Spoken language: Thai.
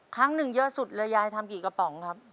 ครั้งหนึ่งเยอะสุดเลยยายทำกี่กระป๋องครับ